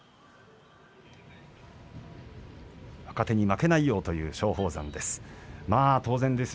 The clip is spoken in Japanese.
若手に負けないようという松鳳山です。